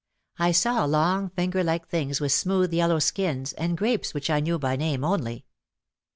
I saw long finger like things with smooth yellow skins, and grapes which I knew by name only.